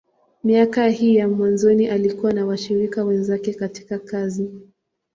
Miaka hii ya mwanzoni, alikuwa na washirika wenzake katika kazi.